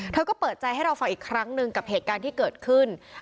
เธอก็เปิดใจให้เราฟังอีกครั้งหนึ่งกับเหตุการณ์ที่เกิดขึ้น